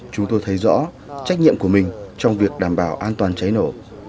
chúng tôi thấy rõ trách nhiệm của mình trong việc đảm bảo an toàn cháy nổ